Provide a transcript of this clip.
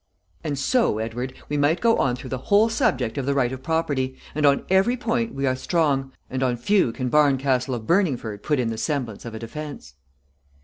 "And so, Edward, we might go on through the whole subject of the right of property, and on every point we are strong, and on few can Barncastle of Burningford put in the semblance of a defence."